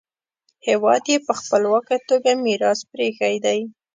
هېواد یې په خپلواکه توګه میراث پریښی دی.